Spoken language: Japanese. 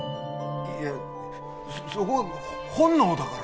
いやそこは本能だから。